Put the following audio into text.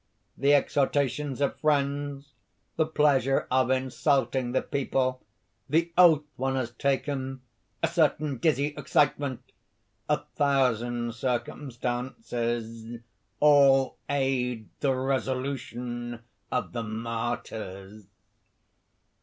The exhortations of friends, the pleasure of insulting the people, the oath one has taken, a certain dizzy excitement, a thousand circumstances all aid the resolution of the martyrs...."